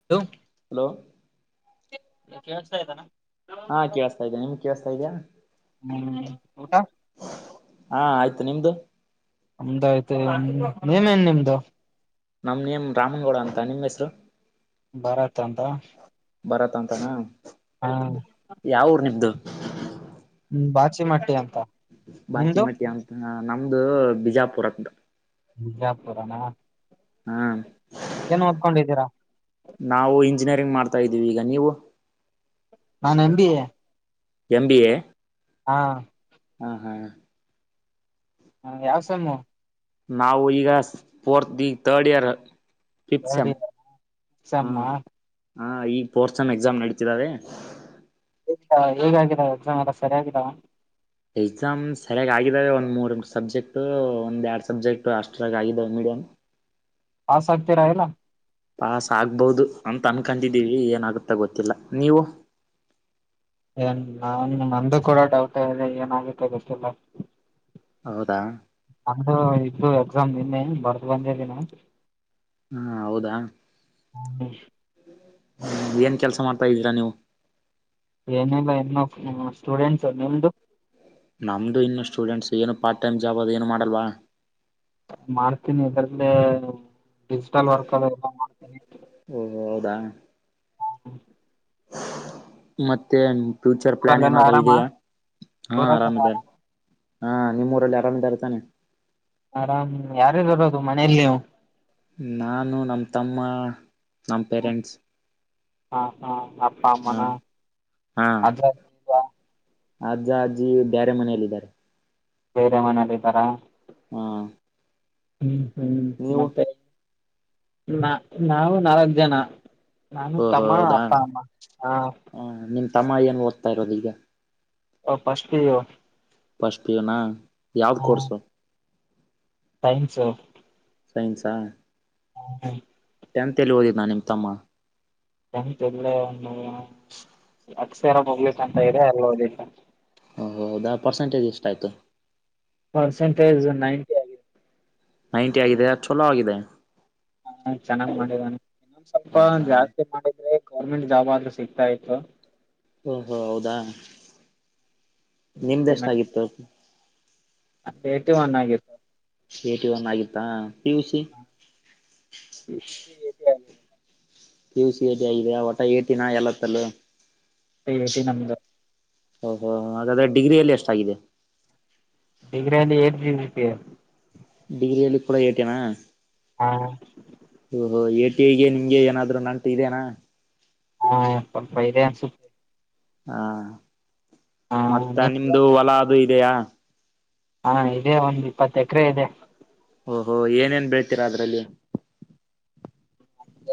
[unintelligible] Hello ಕೇಳ್ತಾ ಇದತಾನ. ಹಾ ಕೇೇಳಸ್ತಾ ಇದೆ ನಿಮಿಗ್ ಕೇೇಳಸ್ತಾ ಇದ್ಯಾ. ಹ್ಮ್ ಊಟ ಹಾ ಆಯ್ತು ನಿಮ್ದು. ನಮ್ದಾಯ್ತ ನೆಮೇನ್ ನಿಮ್ದು. ನಮ್ ನೇಮ್ ರಾಮೆಗೌಡ ಅಂತ ನಿಮ್ಮ್ ಹೆಸ್ರು. ಭರತ್ ಅಂತ ಬರತ್ ಅಂತಾನ ಹ ಯಾವ್ ಊರ್ ನಿಮ್ದು ಹ್ಮ್ ಬಾಕ್ಷಿಮಟ್ಯನ್ ಬಾಚಿಮಟ್ಟಿ ಅಂತ ನಮ್ದು ಬಿಜಾಪುರ್ ಅಂತ. ಬಿಜಾಪುರನಾ ಹಾ ಏನ್ ಓದ್ಕೊಂಡಿದ್ದೀರಾ ನಾವು ಇಂಜಿನಿಯರಿಂಗ್ ಮಾಡ್ತಾ ಇದ್ದೀವಿ ಈಗ ನೀವು. ನಾನ್ ಎಂ ಬಿ ಎ ಹಾ ಹಾ ಹಾ ಹ ಯಾವ್ ಸೆಮ್ಮು ನಾವು ಈಗ ಫೋರ್ತ್ ಈ ಗ್ ತರ್ಡ್ ಇಯರ್. ಫಿಫ್ತ್ ಎರಡ್ ಸೆಮ್ ಎಕ್ಸಾಮ್ ಹ ಈ ಫೋರ್ತ್ ಸೆಮ್ ಎಕ್ಸಾಮ್ ನಡೀತಿದಾವೆ. ಹೇಗ ಹೇಗಿದವ್ ಎಕ್ಸಾಮ್ ಎಲ್ಲ ಸರಿಯಗಿದಾವ. ಎಕ್ಸಾಮ್ ಸರಿಯ ಆಗಿದ್ದಾವೆ ಒಂದು ಮೂರುಂಟು ಸಬ್ಜೆಕ್ಟು ಒಂದ ಎರಡು ಸಬ್ಜೆಕ್ಟು ಅಷ್ಟರಾಗ್ ಆಗಿದ್ದಾ ವ್ ಮೀಡಿಯಮ್ ಪಾಸ್ ಆಗ್ತಿರಾ ಇಲ್ಲ ಪಾಸ್ ಆಗ್ಬೊದು ಅಂತ ಅನ್ಕೊಂಡಿದ್ದೀವಿ ಏನಾಗುತ್ತಾ ಗೊತ್ತಿಲ್ಲ ನೀವು. ಏನ್ ನಾನ್ ನಂದು ಕೂಡ ಡೌಟ್ ಇದೆ ಏನ ಆಗುತ್ತೊ ಗೊತ್ತಿಲ್ಲ ಹೌದಾ ನಂದ ಇದ್ದು ಎಕ್ಸಾಮ್ ನಿನ್ನೆ ಬರ್ದ ಬಂದ್ದಿನ ಹ್ಮ ಹೌದಾ [unintelligible] ಹ್ಮ ಏನ್ ಕೆಲಸ ಮಾಡ್ತಾ ಇದೀರಾ ನೀವು. ಏನಿಲ್ಲ ಇನ್ನ ಸ್ಟೂಡೆಂಟ್ಸ ನಿಮ್ದು. ನಮ್ಮದುು ಇನ್ನು ಸ್ಟೂಡೆಂಟ್ಸ್ ಏನು ಪ್ಟ್ ಟೈಮ್ ಜಾಬ್ ಅದು ಏನು ಮಾಡಲ್ವ. ಮಾಡ್ತೀನಿ ಇದ್ರಲ್ಲಿ ಡಿಜಿಟಲ್ ವರ್ಕ್ ಅದೆಲ್ಲಾ ಅ [unintelligible] ಓ ಹೌದಾ [inaudible] ಮತ್ತೆ ಫ್ಯೂಚರ್ ಪ್ಲಾನ್ ಊರಲ್ಲೆಲ್ಲ ಏನಾದ್ರೂ ಆರಾಮ ಇದ್ಯ ಹಾ ಆರಾಮ್ ಊರಾಗೆಲ್ಲ ಇದೆ ಆರಾಮ ಹಾ ನಿಮ್ಮ ಊರಲ್ಲಿ ಆರಾಮ್ ಇದಾರೆತಾನೆ. ಆರಾಮ್ ಯಾರರ್ ಇರೋದು ಮನೆಯಲ್ಲಿ ನೀವು ನಾನು ನಮ್ಮ ತಮ್ಮ ನಮ್ಮ ಪೇರೆಂಟ್ಸ್ ಹ ಹಾ ಅಪ್ಪ ಹ ಅಮ್ಮಾನ ಹಾ ಅ ಅಜ್ಜ ಅಜ್ಜಿ ಬೇರೆ ಮನೆಯಲ್ಲಿದ್ದಾರೆ ಬೇರೆ ಮನೇಲ್ಲ ಇದ್ದಾರಾ ಹ್ಮ ಹ್ಮ್ ಹ್ಮ್ ಮತ್ತೆ ನಾವು ನಲ್ಕ ಜನ ನಾನು ಓಹೋ ತಮ್ಮ ಹೌದಾ ಅಪ್ಪ ಅಮ್ಮ ಹ ಹ ನಿಮ್ ತಮ್ಮ ಏನ್ ಓದ್ತಾ ಇರೋದು ಈಗ ಅವ first P U first P U ನಾ ಯಾವ್ದು ಕೋರ್ಸು ಸೈನ್ಸ್ ಸೈನ್ಸಾ ಹ್ಮ ಟೆತ್ ಎಲ್ಲಿ ಓದಿದ್ದ ನಿಮ್ಮ ತಮ್ಮ ಇಲ್ಲೇ ಒಂದು ಅಕ್ಷರ ಪಬ್ಲಿಕ್ ಅಂತ ಇದೆ ಅಲ್ಲಿ ಓದಿದು ಓ ಹೌದಾ ಪರ್ಸೆಂಟಜ್ ಎಷ್ಟು ಆಯತು ಪರ್ಸೆಂಟೇಜ್ ನೈನ್ಟಿ ನೈಂಟಿ ಆಗಿದೆ ಚಲೋ ಆಗಾಗಿದೆ ಹಾ ಚೆನ್ನಾಗ್ ಮಾಡಿದಾನೆ ಇನ್ನೊಂದ್ ಸ್ವಲ್ಪ ಹ ಹ ಜಾಸ್ತಿ ಮಾಡಿದ್ರೆ ಗೌರ್ಮೆಂಟ್ ಜಾಬ್ ಆದ್ರೂ ಸಿಗ್ತಾ ಇತ್ತು ಓಹೋ ಹೌದಾ ನಿಮ್ದ ಎಷ್ಟಾಗಿತ್ತು ಎಟಿ ಒನ್ ಆಗಿತ್ತು ಏಟಿ ಒನ್ ಆಗಿತ್ತಾ P U C P U C P U C ಟಿ ಆಗಿದೆ ಒಟ ಏಟಿನ ಎಲ್ಲತ್ತಲ್ಲ ಏಟಿ ನಂದು ಓ ಹೋ ಹಾಗಾದ್ರೆ ಡಿಗ್ರಿಯಲ್ಲಿ ಎಷ್ಟಾಗಿದೆ ಡಿಗ್ರಿ ಅಲ್ಲಿ ಏಟಿ ಡಿಗ್ರಿಯಲ್ಲಿ ಕೂಡ ಏಟೇನಾ ಹಾ ಓಹೋ ಎ ಟಿ ಐಗೆ ನಿಮಗೆ ಏನಾದ್ರು ನಂಟು ಇದೆನಾ ಹಾ ಸ್ವಲ್ಪ ಇದೆ ಅನಿಸುತ್ತೆ ಹಾ ಮತ್ತ ನಿಮ್ದು ಹೊಲ ಅದು ಇದೆಯಾ ಹಾ ಇದೇ ಒಂದ್ ಇಪ್ಪತ್ ಎಕರೆ ಇದೆ ಓಹೋ ಏನೇಏನ್ ಬೆೇಳ್ತೀರಾ ಅದ್ರಲ್ಲಿ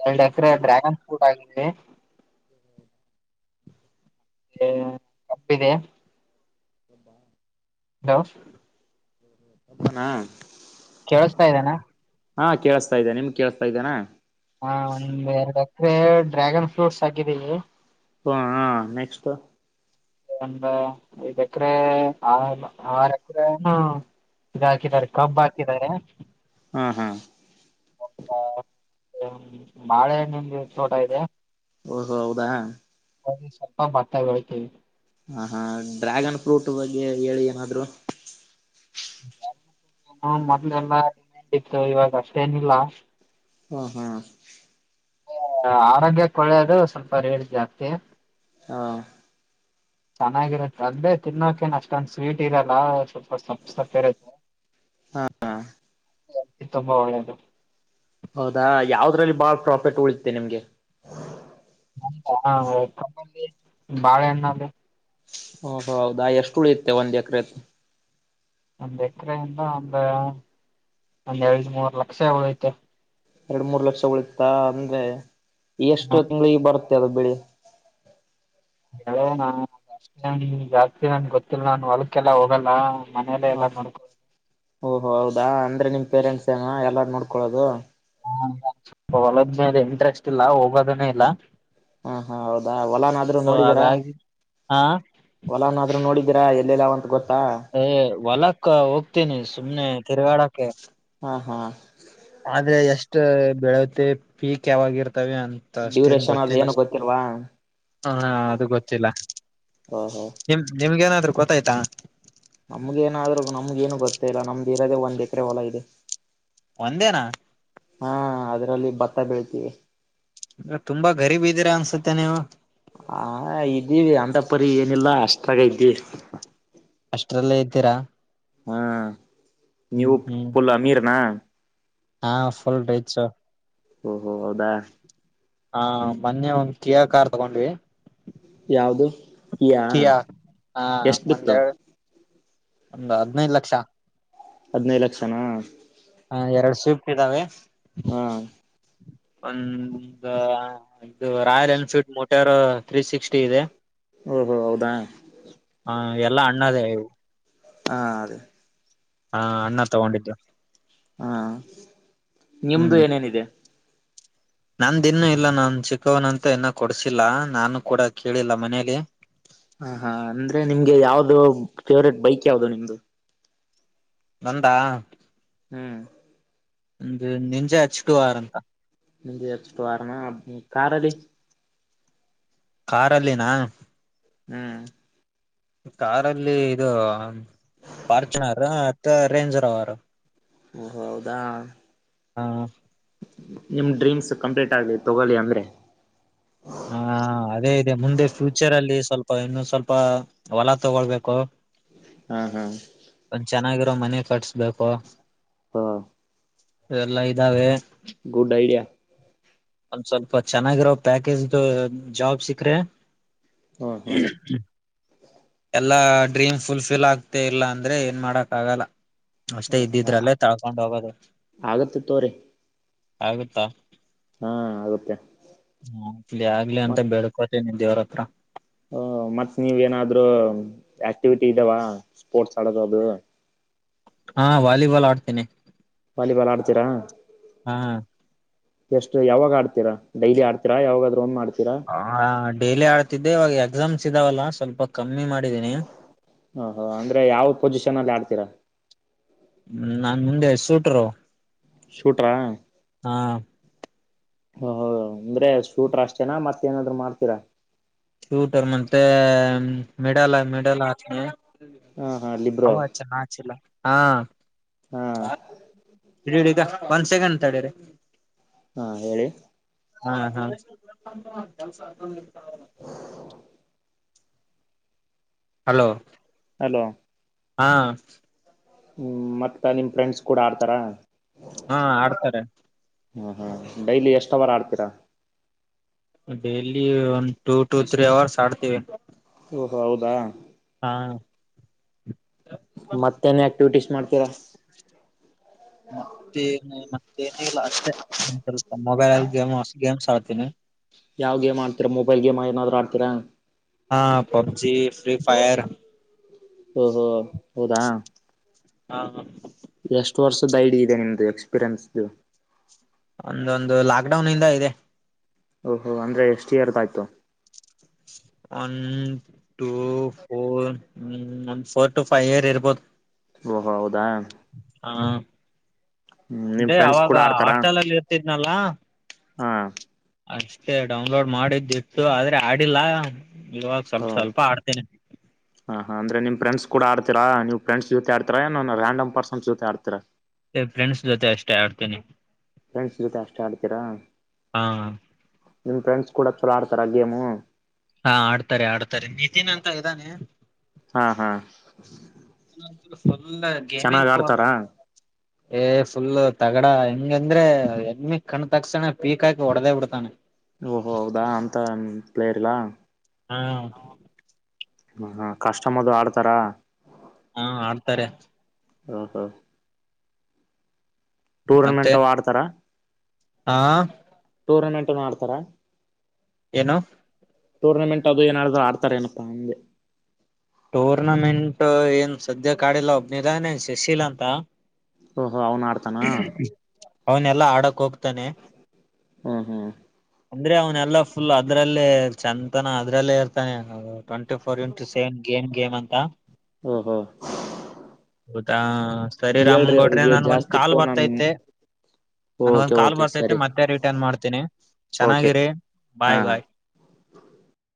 ಎರಡ್ ಎಕರೆ ಡ್ರ್ಯಾಗನ್ ಫ್ರೂಟ್ ಆಗಿದ್ವಿ ಮತ್ತೆ ಕಬ್ಬಿದೆ ಹಲೋ ಕೇಳಿಸ್ತಾ ಇದ್ದೇನಾ ಹಾ ಕೇೇಳಸ್ತಾ ಇದ್ದೇನೆ ನಿಮ್ ಕೇಸ್ತಾ ಇದ್ದೇನಾ ಹಾ ಒಂದ್ ಎರಡು ಅಕರೆ ಡ್ರ್ಯಾಗನ್ ಫ್ರೂಟ್ಸ್ ಹಾಕಿದ್ದೀವಿ ಹ ಹ ನೆಕ್ಸ್ಟ್ ಐದ್ ಎಕರೆ ಆರ ಎಕರೆ ಏನೋ ಇದು ಹಾಕಿದ್ದಾರೆ ಕಬ್ ಹಾಕಿದ್ದಾರೆ ಹಾಂ ಹಾಂ ಬಾಳೆ ಹಣ್ಣಿದು ತೋಟ ಇದೆ ಓಹೋ ಹೌದಾ ಹ ಸ್ವಲ್ಪ ಭತ ಬೆಳಿತೀವಿ ಹ ಹಾ ಡ್ರ್ಯಾಗನ್ ಫ್ರೂಟ್ ಬಗ್ಗೆ ಹೇಳಿ ಏನಾದ್ರು ಮೊದ್ಲೆಲ್ಲಾ ಡಿಮ್ಯಾಂಡ್ ಇತ್ತು ಇವಾಗ ಅಷ್ಟೇ ನಿಲ್ಲ ಹಾ ಹಾ ಆರೋಗ್ಯಕ್ಕೆ ಒಳ್ಳೆಯದು ಸ್ವಲ್ಪ ರೇಟ್ ಜಾಸ್ತಿ. ಹಾ ಚೆನ್ನಾಗಿರುತ್ತೆ [unintelligible] ತಿನ್ನೋಕೇನ್ ಅಷ್ಟೊಂದ ಸ್ವೀಟ್ ಇರಲ್ಲ ಸಪ್ ಸಪ್ಪೆ ಇರುತೆ ಹ ತುಂಬಾ ಒಳ್ಳೇದು ಹೌದಾ ಯಾವದ್ರಲ್ಲಿ ಬಾಳ ಪ್ರಾಫಿಟ್ ಉಳಿತೆ ನಿಮ್ಗೆ ಹಾ ಬಾಳೆಹಣ್ಣಲ್ಲಿ ಹೂ ಹೂ ಹೌದಾ ಎಷ್ಟು ಉಳಿತೆ ಒಂದ್ ಎಕ್ರೆದು ಒಂದ್ ಎಕ್ರೆಯಿಂದ ಒಂದ ಒಂದ್ ಎರಡು ಮೂರ್ ಲಕ್ಷ ಒಗ್ಯತೆ ಎರಡು ಮೂರ್ ಲಕ್ಷ ಉಳಿತಾ ಅಂದ್ರೆ ಎಷ್ಟು ತಿಂಗಳಿಗೆ ಬರುತ್ತೆ ಅದು ಬೆಳಿ [unintelligible] ಜಾಸ್ತಿ ನನ್ಗೆ ಗೊತ್ತಿಲ್ಲ ನಾನು ಹೊಲಕ್ಕೆಲ್ಲಾ ಹೋಗಲ್ಲ ಮನೆಯಲ್ಲ ಎಲ್ಲ ನೋಮಾಡಡ್ಕ ಓಹ್ ಹೌದಾ ಅಂದ್ರೆ ನಿಮ್ ಪೇರೆಂಟ್ಸ್ ಏನ ಎಲ್ಲಾರು ನೋಡ್ಕೊಳ್ಳಳೋದು ಹೋಲುದ್ ಮೇಲೆ ಇಂಟ್ರೆಸ್ಟ್ ಇಲ್ಲ ಹೋಗೋದನು ಇಲ್ಲ. ಹಾ ಹಾ ಹೌದಾ ಹೊಲಾನಾದ್ರೂ ಸೊ ನೋಡಿದೀರಾ ಹಾಗಾಗಿ ಹಾ ಹೊಲನಾದ್ರು ನೋಡಿದ್ದೀರಾ ಎಲ್ಲಲ್ಲಾವಂತ ಗೊತ್ತಾ ಹೆ ಹೊಲಕ್ಕ ಹೋಗ್ತೀನಿ ಸುಮ್ನೆ ತಿರ್ಗಾಡಕ್ಕೆ ಹಾ ಹಾ ಅದೆ ಎಷ್ಟ ಬೆಳತಿ ಪೀಕ್ ಯಾವಾಗ ಇರ್ತವ ಅಂತ ಮತ್ ಅಷ್ಟೇನ್ ಡ್ಯೂರೇಷನ್ ಅದು ಗೊತ್ತಿಲ್ಲ ಏನು ಗೊತ್ತಿಲ್ವಾ ಹ ಅದು ಗೊತ್ತಿಲ್ಲ ಓಹೋ ನಿಮ್ ನಿಮ್ಗೇನಾದರೂ ಗೊತ್ತಾಯ್ತಾ ನಮ್ಗ ಏನಾದ್ರು ನಮ್ಗ ಏನು ಗೊತ್ತೆ ಇಲ್ಲ ನಮ್ದ ಇರೋದೇ ಒಂದ್ ಎಕರೆೆ ಹೊಲ ಇದೆ ಒಂದೇನಾ ಹಾ ಅದರಲ್ಲಿ ಭತ್ತ ಬೆಳ್ತಿವಿ ತುಂಬಾ ಗರೀಬಿ ಇದೀರಾ ಅನ್ಸುತ್ತೆ ನೀವು ಹ ಇದ್ದೀವಿ ಅಂತ ಪರಿ ಏನಿಲ್ಲ ಅಸ್ಟ್ರಾಗ ಇದ್ದ್ವಿ ಅಷ್ಟ್ರಲ್ಲೇ ಇದ್ದೀರಾ ಹಾ ನೀವು ಹ್ಮ್ ಹ್ಮ್ ಪುಲ್ ಅಮೀರ್ನಾ ಹಾ ಫುಲ್ ರಿಚ್ಚು. ಓಹೋ ಹೌದಾ. ಹಾ ಮೊನ್ನೆ ಒಂದ್ ಕಿಯಾ ಕಾರ್ ತಗೊಂಡ್ವಿ. ಯಾವ್ದು ಯಾ ಕಿಯಾ ಹಾ ಎಷ್ಟ್ ಬಿತ್ತು ಒಂದೇ ಒಂದು ಹದ್ನೈದು ಲಕ್ಷ. ಹದ್ನೈದು ಲಕ್ಷನಾ ಹ ಎರಡ್ ಸಿಫ್ಟ್ ಇದ್ದಾವೆ ಹಾ ಒಂದಾ ಇದು Royal Enfield motor three sixty ಇದೆ. ಓಹೋ ಹೌದಾ. ಹ ಎಲ್ಲಾ ಅಣ್ಣದೇ ಇವು. ಹಾ ಅದೇ. ಹಾ ಅಣ್ಣ ತಗೊಂಡಿದ್ದು ಹಾ ನಿಮ್ದು ಏನೇನಿದೆ. ನಂದಿನ್ನು ಇಲ್ಲ ನಾನ್ ಚಿಕ್ಕವನ ಅಂತ ಇನ್ನ ಕೊಡ್ಸಿಲ್ಲ ನಾನು ಕೂಡ ಕೇಳಿಲ್ಲ ಮನೇಲಿ. ಹ ಹಾ ಅಂದ್ರೆ ನಿಮ್ಗೆ ಯಾವ್ದು ಫೇವ್ರೇಟ್ ಬೈಕ್ ಯಾವ್ದು ನಿಮ್ದು. ನಂದಾ ಹ್ಮ್ ನಿಂಜೆ ಹಚ್ಕು ಟು ಆರ್ ಅಂತ. ನಂಜಿ ಹಚ್ಚು ಟು ಆರ್ ನ ಕಾರಲ್ಲಿ. ಕಾರಲ್ಲಿನಾ ಹ್ಮ್ ಕಾರಲ್ಲಿ ಇದು ಫಾರ್ಚುನರ್ ಮತ್ತ ರೇಂಜರ್ ಅವರು ಓ ಹೌದಾ ಹಾ ನಿಮ್ ಡ್ರೀಮ್ಸ್ ಕಂಪ್ಲೀಟ್ ಆಗ್ಲಿ ತಗೋಳ್ಳಿ ಅಂದ್ರೆ ಹಾ ಅದೇ ಇದೆ ಮುಂದೆ ಫ್ಯೂಚರ್ ಅಲ್ಲಿ ಸ್ವಲ್ಪ ಇನ್ನು ಸ್ವಲ್ಪ ಹೊಲ ತಗೊಳ್ಬೇಕು ಹಾ ಹಾ ಒಂದ್ ಚೆನ್ನಾಗಿರೋ ಮನೆ ಕಟ್ಸ್ಬೇಕು ಹಾ ಎಲ್ಲಾ ಇದ್ದಾವೆ ಗುಡ್ ಐಡಿಯಾ ಒಂದ್ ಸ್ವಲ್ಪ ಚೆನ್ನಾಗಿರೋ ಪ್ಯಾಕೇಜ ಜಾಬ್ ಸಿಕ್ಕ್ರಿ ಹ್ಮ್ ಎಲ್ಲಾ ಡ್ರೀಮ್ ಫುಲ್ ಫಿಲ್ ಆಗ್ತ ಇಲ್ಲ ಅಂದ್ರೆ ಏನ್ ಮಾಡಕ್ ಆಗಲ್ಲ ಅಷ್ಟೇ ಹ್ಮ್ ಇದ್ದಿದ್ರಲ್ಲೇ ತಳ್ಕೊಂಡ ಹೋಗೋದು ಆಗತ್ತೆ ತೋರಿ ಆಗುತ್ತಾ ಹಾ ಆಗುತ್ತೆ ಆಗ್ಲಿ ಅಂತ ಬೇಡ್ಕೊ ದೇವ್ರ ಹತ್ರ ಹ ಮತ್ತ ನೀವ ಏನಾದರೂ ಆಕ್ಟಿವಿಟಿ ಇದಾವ ಸ್ಪೋರ್ಟ್ಸ್ ಆಡೋದ ಅದು ಹಾ ವಾಲಿಬಾಲ್ ಆಡ್ತೇನೆ ವಾಲಿಬಾಲ್ ಅಡತೀರಾ ಹಾ ಎಷ್ಟು ಯಾವಾಗ ಆಡ್ತೀರಾ ಡೈಲಿ ಆಡ್ತಿರಾ ಯಾವಾಗಾದರೂ ಒಮ್ಮೆ ಆಡತೀರಾ ಹ ಡೇಲಿ ಆಡ್ತಿದ್ದೆ ಇವಾಗ ಎಕ್ಸಾಮ್ಸ್ ಇದ್ದಾವಲ್ಲ ಸ್ವಲ್ಪ ಕಮ್ಮಿ ಮಾಡಿದ್ದೀನಿ ಹ ಹ ಅಂದ್ರೆ ಯಾವ್ ಪೊಸಿಷನ್ ಅಲ್ಲಿ ಆಡ್ತೀರಾ ಹ್ಮ ನಾನ್ ಮುಂದೆ ಸೂಟರು ಶೂಟರಾ ಹಾ ಹ ಅಂದ್ರೆ ಸೂಟ್ರ ಅಷ್ಟೇನಾ ಮತ್ತ ಏನಾದ್ರು ಮಾಡ್ತೀರಾ ಶೂಟರ್ ಮತ್ತೆ ಮೆಡಲ್ ಮೆಡಲ್ ಹಾಕ್ನ ಹ ಹಾ ಹೌ ಲಿಬ್ರೋ ಅ ಚ ನಾ ಚಿಲ್ಲ ಹಾ ಹಾ ಈಗ ಒಂದ್ ಸೆಕಂಡ್ ತಡರಿ ಹಾ ಹೇಳಿ ಹಾ ಹಾ ಹಲೋ ಹಲೋ ಹಾ ಹ್ಮ್ ಮತ್ತ ನಿಮ್ ಫ್ರೆಂಡ್ಸ್ ಕೂಡ ಆಡ್ತಾರ ಹಾ ಆಡ್ತಾರೆ ಹ್ಮ ಡೈಲಿ ಎಷ್ಟು ಹವರ್ ಹಾಡ್ತೀರಾ ಡೈಲಿ ಒಂದು ಟೂ ಟೂ ತ್ರೀ ಅವರ್ಸ್ ಆಡ್ತೀವಿ ಓಹೋ ಹೌದಾ ಹಾ ಮತ್ತೇನ್ ಆಕ್ಟಿವಿಟೀಸ್ ಮಾಡ್ತೀರಾ ಮತ್ತೆ ಮತ್ತ ಏನಲ್ಲ ಅಷ್ಟೇ ಸ್ವಲ್ಪ ಮೊಬೈಲ್ಲ್ಲಿ ಗೇಮ್ ಗೇಮ್ಸ್ ಆಡ್ತೀನಿ ಯಾವ ಗೇಮ್ ಆಡ್ತೀ ಮೊಬೈಲ್ ಗೇಮ ಏನಾದರು ಆಡತೀರಾ ಪಬ್ಜಿ ಫ್ರೀ ಫೈಯರ್ ಓಹೋ ಹೌದಾ ಹಾ ಹ ಎಷ್ಟು ವರ್ಷದ ಐಡಿ ಇದೆ ನಿಮ್ದು ಎಕ್ಸ್ಪೀರಿಯನ್ಸ್ದು ಒಂದೊಂದು ಲಾಕ್ಡೌನ್ ಇಂದ ಇದೆ ಓಹೋ ಅಂದ್ರೆ ಎಷ್ಟು ಇಯರ್ದ ಆಯ್ತು ಒನ್ ಟೂ ಫೋರ್ ಒಂದು ಫೋರ್ ಟು ಫೈವ್ ಇಯರ್ ಇರ್ಬೋದು.. ಓಹೋ ಹೌದಾ. ಹಾ ಹ್ಮ್ ನಿಮ್ ಲೇ ಫ್ರೆಂಡ್ಸ್ ಆವಾಗ ಕೂಡ ಆಡ್ತಾರಾ ಹಾಸ್ಟೆಲಲ್ಲಿ ಇರ್ತಿದ್ನಲ್ಲ. ಹಾ. ಅಷ್ಟೇ ಡೌನ್ಲೋಡ್ ಮಾಡಿದ್ದಿತ್ತು ಆದ್ರೆ ಹಾಡಿಲ್ಲ ಇವಾಗ ಸ್ವಲ್ಪ ಸ್ವಲ್ಪ ಹಾಡ್ತೇನೆ. ಹಾ ಹಾ ಅಂದ್ರೆ ನಿಮ ಫ್ರಂಡ್ಸ್ ಕೂಡ ಹಾಡ್ತೀರಾ ನೀವ್ ಫ್ರೆಂಡಸ್ ಜೊತೆ ಏನು ರಾಂಡಂ ಪರ್ಸನ್ಸ್ ಜೊತೆ ಹಾಡ್ತರಾ. ಎ ಫ್ರೆಂಡ್ಸ್ ಜೊತೆ ಅಷ್ಟೇ ಹಾಡ್ತಿನಿ. ಫ್ರೆಂಡ್ಸ್ ಜೊತೆ ಅಷ್ಟೇ ಹಾಡ್ತೀರಾ ಹಾ ನಿಮ್ಮ ಫ್ರೆಂಡ್ಸ್ ಕೂಡ ಚುಲೋ ಹಾಡ್ತಾರ ಗೇಮು. ಹಾ ಹಾಡ್ತಾರೆ ಹಾಡ್ತಾರೆ ನಿತಿನ್ ಅಂತ ಇದಾನೆ. ಹಾ ಹಾ. ಫುಲ್ ಚೆನ್ನಾಗ್ ಗೆಮಿಂಗ ಫೋನ್. ಆಡ್ತಾರಾ [inaudible] ಏ ಫುಲ್ ತಗಡಾ ಹೆಂಗ ಅಂದ್ರೆ ಎಮ್ಮಿಗ್ ಕಣ್ ತಕ್ಷಣ ಪೀಕ್ ಹಾಕಿ ಹೊಡದೇ ಬಿಡ್ತಾನೆ. ಓಹೋ ಹೌದಾ ಅಂತ ಪ್ಲೇರ್ಲ್ಲಾ. ಹಾ. ಹ ಹ ಕಷ್ಟಮದು ಹಾಡ್ತಾರಾ. ಹಾ ಹಾಡ್ತಾರೆ. ಹಾ ಹಾ. ಟೂರ್ನಮೆಂಟು ಆಡ್ತಾರಾ. ಆ. ಟೂರ್ನಮೆಂಟ್ನು ಮಾಡ್ತಾರಾ. ಏನು. ಟೂರ್ನಮೆಂಟ್ ಅದು ಏನಾದ್ರು ಆಡ್ತಾರೆ ಏನಪ್ಪಾ ಅಂದೆ. ಟೂರ್ನಮೆಂಟ್ ಏನ್ ಸದ್ಯ ಆಡಿಲ್ಲ ಒಬ್ನಿದಾನೆ ಶಶಿಲ ಅಂತ. ಓಹೋ ಅವನು ಆಡ್ತಾನಾ. ಅವನೆಲ್ಲಾ ಆಡಕ್ ಹೋಗ್ತಾನೆ. ಹ್ಮ ಹ್ಮ್. ಅಂದ್ರೆ ಅವನೆಲ್ಲಾ ಫುಲ್ ಅದ್ರಲ್ಲೇ ಚಂತನ ಅದ್ರಲ್ಲೇ ಇರ್ತಾನೆ. Twenty four into seven game game ಅಂತ. ಹ್ಮ ಹ್ಮ. ಹೌದಾ ಸರಿ ರಾಮನ್ಗೌಡ್ರೆ ಅವ್ರಿಗೆ ನನ್ಗ ಒಂದ್ ಜಾಸ್ತಿ ಕಾಲ್ ಫೋನ್ ಬರ್ತೈತೆ. ಓಕೆ ನನ್ಗೊಂದ್ ಕಾಲ್ ಓಕೆ ಬರ್ತೈತೆ ಸರಿ ಮತ್ತೆ ರಿಟರ್ನ್ ಮಾಡ್ತೀನಿ ಓಕೆ ಚೆನ್ನಾಗಿರಿ ಹಾ ಬಾಯ್ ಹಾ ಬಾಯ್.